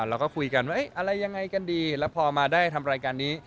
เราก็คุยกันว่าอะไรยังไงกันดีแล้วพอมาได้ทำรายการนี้